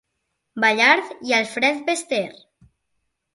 Ballard i Alfred Bester.